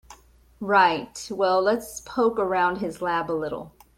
Right, well let's poke around his lab a little.